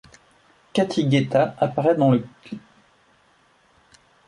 Cathy Guetta apparait dans le clip.